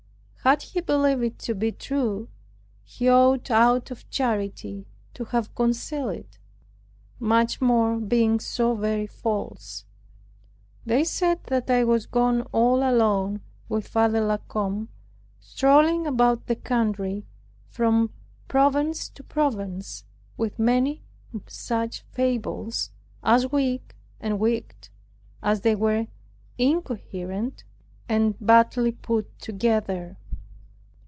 Had he believed it to be true, he ought out of charity to have concealed it; much more, being so very false. They said that I was gone all alone with Father La Combe, strolling about the country, from province to province, with many such fables, as weak and wicked as they were incoherent and badly put together.